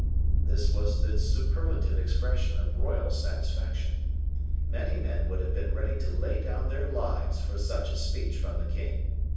This was the superlative expression of royal satisfaction. Many men would have been ready to lay down their lives for such a speech from the king.